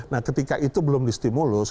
nah ketika itu belum di stimulus